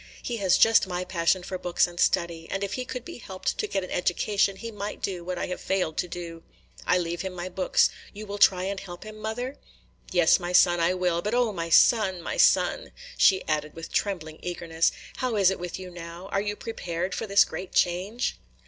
He has just my passion for books and study; and if he could be helped to get an education, he might do what I have failed to do. I leave him my books, – you will try and help him, mother?" "Yes, my son, I will; but O my son, my son!" she added with trembling eagerness, "how is it with you now? Are you prepared for this great change?"